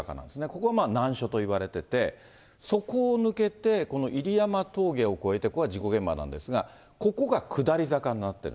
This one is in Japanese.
ここは難所と言われていて、そこを抜けて、入山峠を越えてここが事故現場なんですが、ここが下り坂になってる。